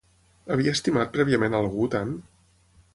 Havia estimat prèviament a algú tant?